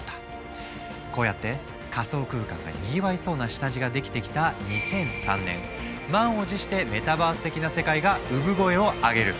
こうやって仮想空間がにぎわいそうな下地ができてきた２００３年満を持してメタバース的な世界が産声を上げる。